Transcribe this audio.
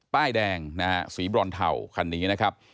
ป้ายแดงนะฮะสีบรอนเทาคันนี้นะครับ